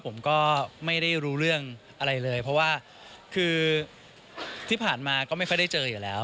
ผมก็ไม่ได้รู้เรื่องอะไรเลยเพราะว่าคือที่ผ่านมาก็ไม่ค่อยได้เจออยู่แล้ว